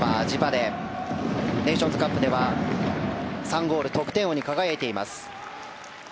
ネーションズカップでは３ゴール、得点王に輝いています。